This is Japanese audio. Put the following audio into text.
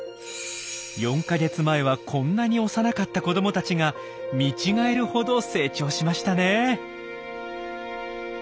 ４か月前はこんなに幼かった子どもたちが見違えるほど成長しましたね。